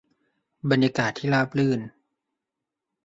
บรรยากาศที่ราบรื่น